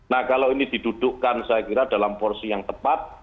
nah kalau ini didudukkan saya kira dalam porsi yang tepat